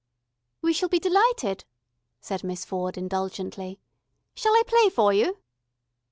"We shall be delighted," said Miss Ford indulgently. "Shall I play for you?"